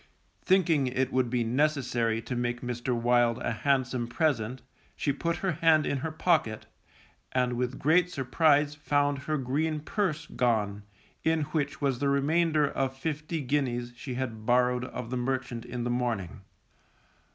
Thinking it would be necessary to make Mr. Wild a handsome present, she put her hand in her pocket, and with great surprise found her green purse gone, in which was the remainder of fifty guineas she had borrowed of the merchant in the morning.